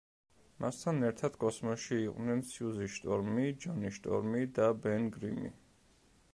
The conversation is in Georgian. მასთან ერთად კოსმოსში იყვნენ სიუზი შტორმი, ჯონი შტორმი და ბენ გრიმი.